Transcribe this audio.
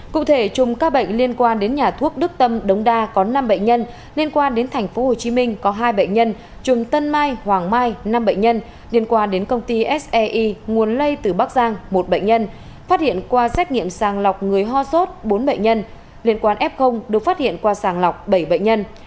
cụ thể chùm các bệnh liên quan đến nhà thuốc đức tâm đống đa có năm bệnh nhân liên quan đến tp hcm có hai bệnh nhân chùm tân mai hoàng mai năm bệnh nhân liên quan đến công ty sei nguồn lây từ bắc giang một bệnh nhân phát hiện qua xét nghiệm sàng lọc người ho sốt bốn bệnh nhân liên quan f được phát hiện qua sàng lọc bảy bệnh nhân